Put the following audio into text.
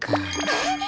えっ！